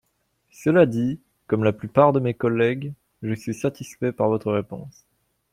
Cela dit, comme la plupart de mes collègues, je suis satisfait par votre réponse.